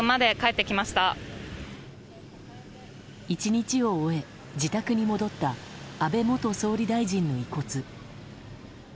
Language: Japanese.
１日を終え、自宅に戻った安倍元総理大臣の遺骨。